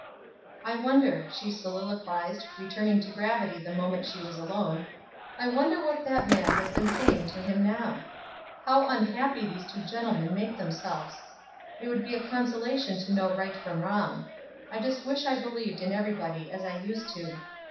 "I wonder," she soliloquized, returning to gravity the moment she was alone, "I wonder what that man has been saying to him now? How unhappy these two gentlemen make themselves. It would be a consolation to know right from wrong. I just wish I believed in everybody as I used to.